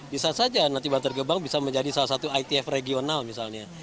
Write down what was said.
bisa saja nanti bantar gebang bisa menjadi salah satu itf regional misalnya